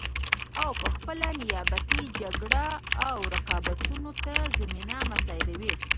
او پخپله نیابتي جګړو او رقابتونو ته زمینه مساعدوي